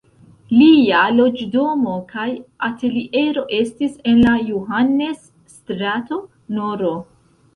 Lia loĝdomo kaj ateliero estis en la Johannes-strato nr.